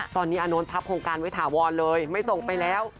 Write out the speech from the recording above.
ตอนนี้อาโน้นพับโครงการไว้ถาวรเลยไม่ส่งไปแล้ว